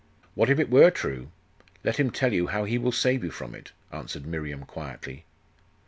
'What if it were true? Let him tell you how he will save you from it,' answered Miriam quietly.